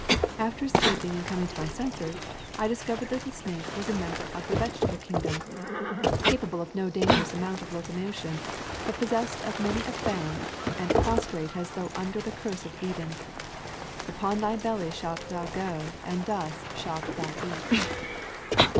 After escaping and com ing to my senses, I discovered that the snake was a member of the vegetable kingdom, ca pable of no dangerous amount of locomotion, but possessed of many a fang, and prostrate as though under the curse of Eden, "Upon thy belly shalt thou go and dust shalt thou eat."